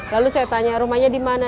lalu saya tanya rumahnya di mana